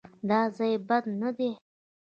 _دا ځای بد نه دی.